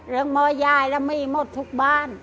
เรื่องมอไยแล้วมีหมดทุกบ้าน